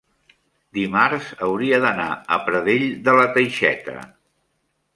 dimarts hauria d'anar a Pradell de la Teixeta.